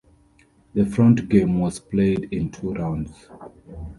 The front game was played in two rounds.